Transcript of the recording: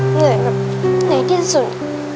เหนื่อยแบบเหนื่อยที่สุด